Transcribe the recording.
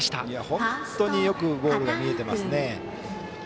本当によくボールが見えていますね。